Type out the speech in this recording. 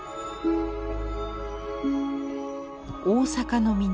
大阪の港。